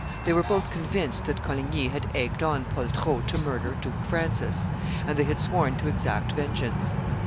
They were both convinced that Coligny had egged on Poltrot to murder Duke Francis, and they had sworn to exact vengeance.